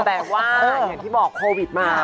แต่ว่าอย่างที่บอกโควิดมา